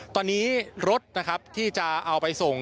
ตอนนี้รถนะครับที่จะเอาไปส่ง